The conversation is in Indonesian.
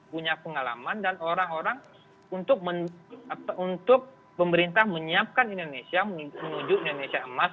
punya pengalaman dan orang orang untuk pemerintah menyiapkan indonesia menuju indonesia emas